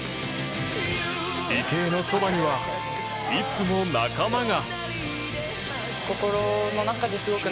池江のそばにはいつも仲間が